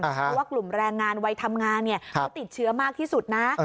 เพราะว่ากลุ่มแรงงานวัยทำงานเขาติดเชื้อมากที่สุดนะ